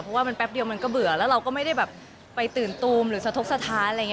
เพราะว่ามันแป๊บเดียวมันก็เบื่อแล้วเราก็ไม่ได้แบบไปตื่นตูมหรือสะทกสถานอะไรอย่างนี้